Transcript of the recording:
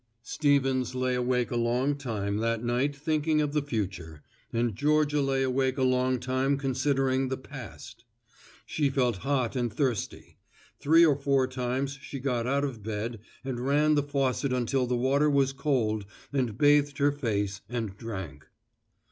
Stevens lay awake a long time that night thinking of the future, and Georgia lay awake a long time considering the past. She felt hot and thirsty; three or four times she got out of bed and ran the faucet until the water was cold and bathed her face and drank.